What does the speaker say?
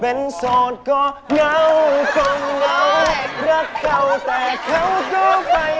เป็นสดก็เหงาก็เหงารักเขาแต่เขาก็ไป